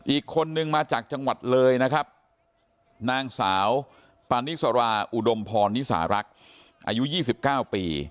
อีกคนนึงมาจากจังหวัดเลยนะครับนางสาวปานิสราอุดมพรนิสารักษ์อายุ๒๙ปี